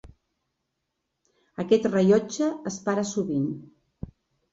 Aquest rellotge es para sovint.